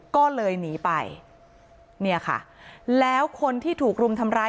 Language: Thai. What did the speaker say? ก็เลยหนีไปแล้วคนที่ถูกรุ่มทำร้าย